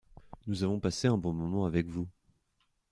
Nous avons passé un bon moment avec vous.